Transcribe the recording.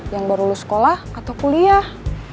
yang baru lulus sekolah atau kuliah